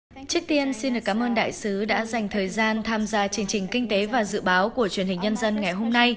trước tiên xin được cảm ơn đại sứ đã dành thời gian tham gia chương trình kinh tế và dự báo của truyền hình nhân dân ngày hôm nay